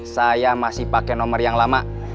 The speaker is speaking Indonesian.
saya masih pakai nomor yang lama